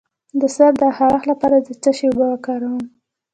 د سر د خارښ لپاره د څه شي اوبه وکاروم؟